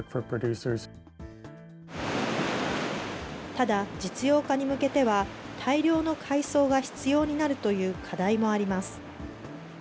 ただ、実用化に向けては、大量の海藻が必要になるという課題もあります。